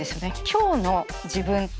今日の自分。